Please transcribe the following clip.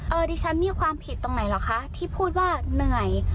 ดิฉันมีความผิดตรงไหนหรอคะที่พูดว่าเหนื่อย